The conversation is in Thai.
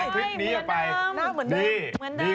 พร้อมนำ